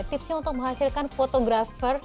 tipsnya untuk menghasilkan fotografer